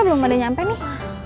belum ada nyampe nih